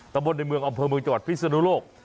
ตะบนในเมืองอำเภอเมืองจังหวัดพิศนุโลก